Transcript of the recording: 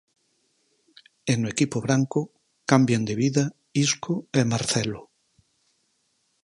E no equipo branco, cambian de vida Isco e Marcelo.